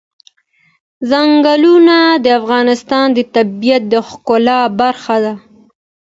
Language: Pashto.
ځنګلونه د افغانستان د طبیعت د ښکلا برخه ده.